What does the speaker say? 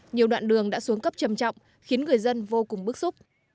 nhiều đoạn đường đã xuống cấp trầm trọng khiến người dân vô cùng bức xúc